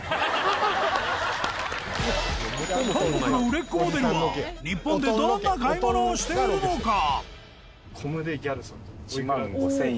韓国の売れっ子モデルは日本でどんな買い物をしているのか？